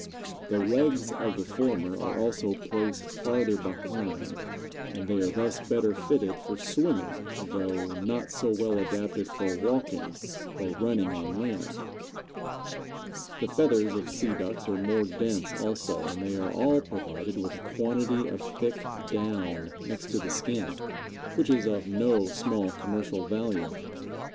The legs of the former are also placed farther behind, and they are thus better fitted for swimming, though not so well adapted for walking or running on land. The feathers of Sea Ducks are more dense also, and they are all provided with a quantity of thick down next to the skin, which is of no small commercial value.